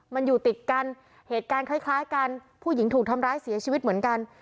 มันอยู่ติดกันเหตุการณ์คล้ายกันผู้หญิงถูกทำร้ายเสียชีวิตเหมือนกัน